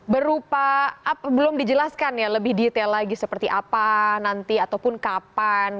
berupa belum dijelaskan ya lebih detail lagi seperti apa nanti ataupun kapan